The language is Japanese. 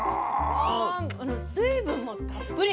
水分もたっぷり。